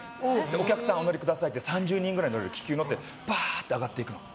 お客さん、お乗りくださいって３０人ぐらい乗れる気球に乗ってバーっと上がっていくの。